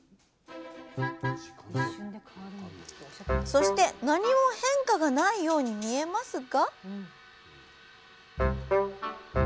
そして何も変化がないように見えますが？